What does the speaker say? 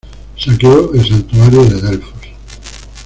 Saqueó el Santuario de Delfos.